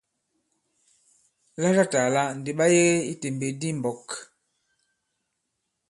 Latatàla ndi ɓa yege i tèmbèk di i mɓɔ̄k.